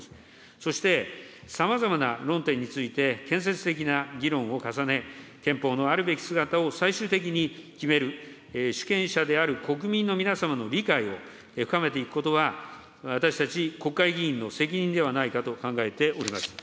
そして、さまざまな論点について、建設的な議論を重ね、憲法のあるべき姿を最終的に決める、主権者である国民の皆様の理解を深めていくことは、私たち国会議員の責任ではないかと考えております。